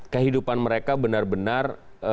kehidupan mereka benar benar